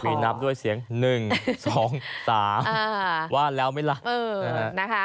มีนับด้วยเสียง๑๒๓ว่าแล้วมั้ยล่ะ